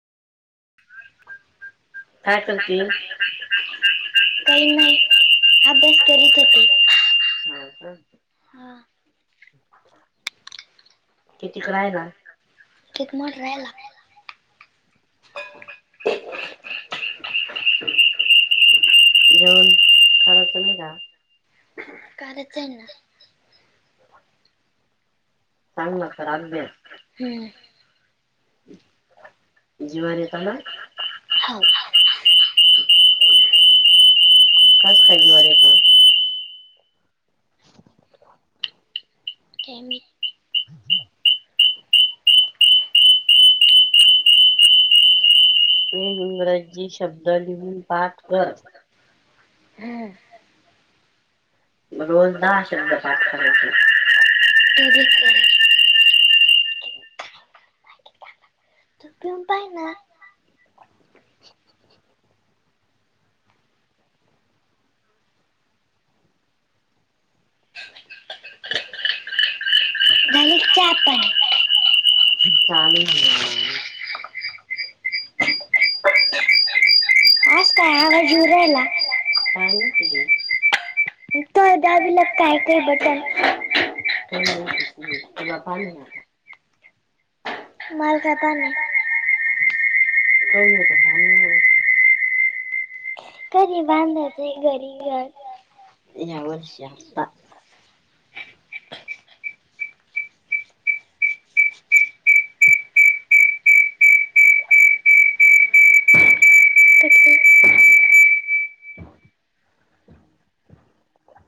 काय करती? काय नाय अभ्यास करच होती. हाव का? किती का राहीन. जेवण खराच नाई का. कानात जाईन ना. सांग ना तर [inaudible] जीवन येत ना? [unintelligible] [inaudible] [unintelligible] [inaudible] ते इंग्रजी शब्द लिहून पाठ कर. रोज दहा शब्द पाठ [unintelligible] पीवतायना? [unintelligible] [inaudible] [unintelligible] [unintelligible] त्यांना बी देऊन ये ना, काय माहिती बाई? काय काय बटन तूला पाणी हाय का? मला काय तान्या गवनत पाण्या यावर्षी आत्ता. [unintelligible]